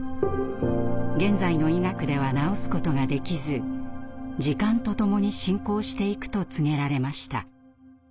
現在の医学では治すことができず時間とともに進行していくと告げられました。